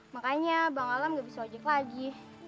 makanya bang alam gak bisa ojek lagi